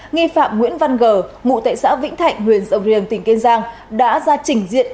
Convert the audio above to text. nghi phạm nguyễn văn gờ ngụ tệ xã vĩnh thạnh huyền dầu riêng tp hcm đã ra trình diện